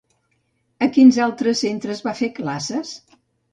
A quins altres centres va fer classes?